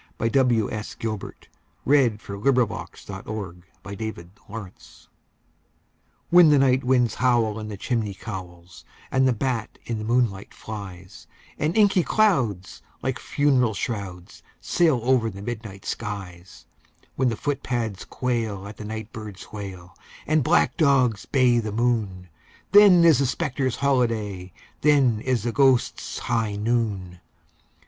But then, unhappily, I'm not thy bride! THE GHOSTS' HIGH NOON WHEN the night wind howls in the chimney cowls, and the bat in the moonlight flies, And inky clouds, like funeral shrouds, sail over the midnight skies— When the footpads quail at the night bird's wail, and black dogs bay the moon, Then is the spectres' holiday—then is the ghosts' high noon!